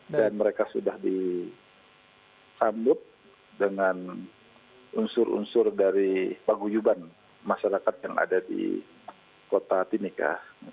dan mereka sudah dikambut dengan unsur unsur dari paguyuban masyarakat yang ada di kota timika